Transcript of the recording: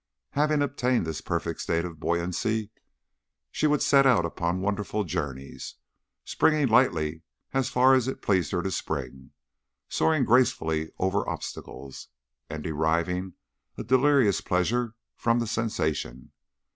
Having attained this perfect state of buoyancy, she would set out upon wonderful journeys, springing lightly as far as it pleased her to spring, soaring gracefully over obstacles, and deriving a delirious pleasure from the sensation.